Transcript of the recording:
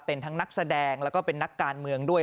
เป็นทั้งนักแสดงแล้วก็เป็นนักการเมืองด้วย